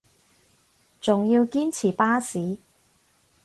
仲要堅持巴士